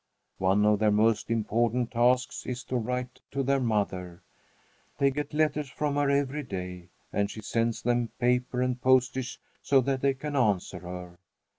One of their most important tasks is to write to their mother. They get letters from her every day, and she sends them paper and postage, so that they can answer her.